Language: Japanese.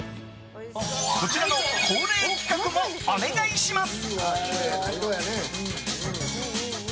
こちらの恒例企画もお願いします！